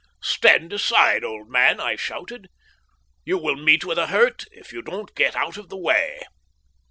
"Stand aside, old man," I shouted. "You will meet with a hurt if you don't get out of the way."